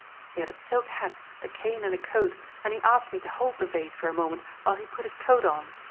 He had a silk hat, a cane and a coat and he asked me to hold the vase for a moment while he put his coat on.